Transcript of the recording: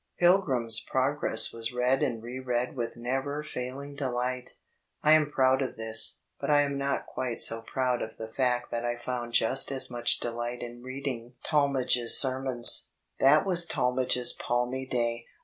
Pilgrim's Progress was read and re read with never failing delight. I am proud of this; but I am not quite so proud of the fact that I found just as much delight in reading Tal D,i„Mb, Google mage's Sfrmom.Th&t was Talmage's palmy day.